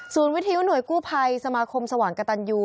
ศูนย์วิทยุหน่วยกู้ภัยสมาคมสวรรค์กตันยู